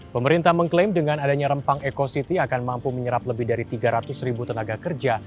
pemerintah mengklaim dengan adanya rempang eco city akan mampu menyerap lebih dari tiga ratus ribu tenaga kerja